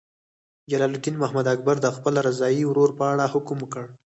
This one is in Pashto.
جلال الدین محمد اکبر د خپل رضاعي ورور په اړه حکم وکړ.